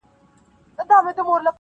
o چي ستاینه د مجنون د زنځیر نه وي,